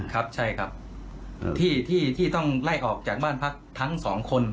ครับใช่ครับที่ต้องไล่ออกจากบ้านพักทั้งสองคน